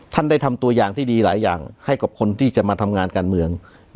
ได้ทำตัวอย่างที่ดีหลายอย่างให้กับคนที่จะมาทำงานการเมือง